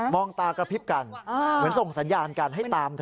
องตากระพริบกันเหมือนส่งสัญญาณกันให้ตามเธอ